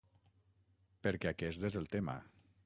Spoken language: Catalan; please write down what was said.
Perquè aquest és el tema.